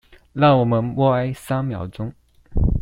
讓我們默哀三秒鐘